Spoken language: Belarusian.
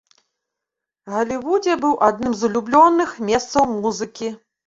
Галівудзе быў адным з улюбёных месцаў музыкі.